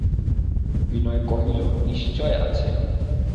বিনয় কহিল, নিশ্চয় আছে।